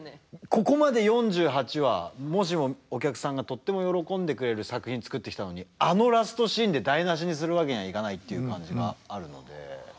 ここまで４８話もしもお客さんがとっても喜んでくれる作品作ってきたのにあのラストシーンで台なしにするわけにはいかないっていう感じがあるので。